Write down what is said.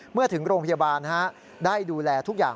เมื่อถึงโรงพยาบาลได้ดูแลทุกอย่าง